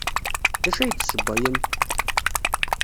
D acu ay d-tessewwem?